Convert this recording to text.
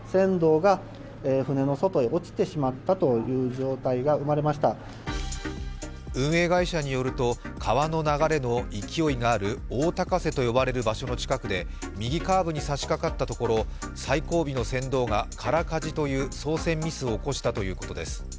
事故の原因について運営会社は運営会社によると、川の流れの勢いがある大高瀬と呼ばれる場所の近くで右カーブにさしかかったところ最後尾の船頭が操船ミスを起こしたということです。